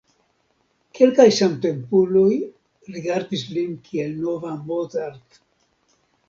Kelkaj samtempuloj rigardis lin kiel nova Mozart.